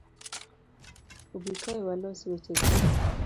Bi kae walos weche gi